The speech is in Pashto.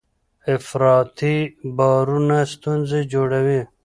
افراطي باورونه ستونزې جوړوي.